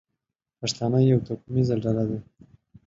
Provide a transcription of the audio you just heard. پښتانه یوه توکمیزه ډله ده.